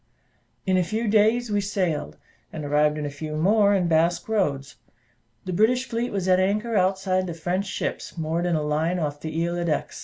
In a few days we sailed, and arrived in a few more in Basque Roads. The British fleet was at anchor outside the French ships moored in a line off the Isle d'Aix.